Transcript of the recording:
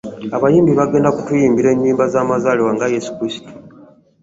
Abayimbi bagenda kutuyimbira ennyimba za mazaalibwa ga Yesu Kristo.